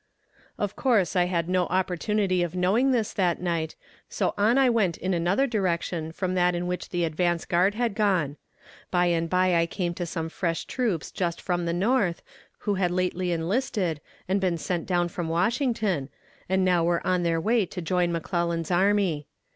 Of course I had no opportunity of knowing this that night, so on I went in another direction from that in which the advance guard had gone. By and by I came to some fresh troops just from the North, who had lately enlisted and been sent down to Washington, and now were on their way to join McClellan's army.